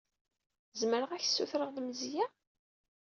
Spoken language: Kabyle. Zemreɣ ad ak-ssutreɣ lemzeyya?